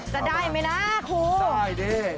จะได้ไหมนะคุณได้ดิ